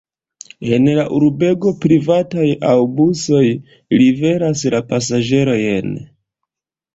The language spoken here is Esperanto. En la urbego privataj aŭtobusoj liveras la pasaĝerojn.